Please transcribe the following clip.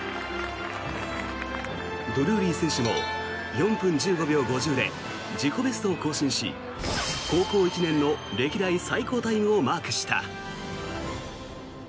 ドルーリー選手も４分１５秒５０で自己ベストを更新し高校１年の歴代最高タイムをマークした。